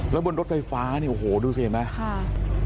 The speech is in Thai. แล้วรถไฟฟ้าเนี่ยอ๋อโหดูเสร็จไหม